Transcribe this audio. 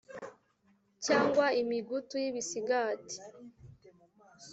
cyangwa imigutu y’ibisigati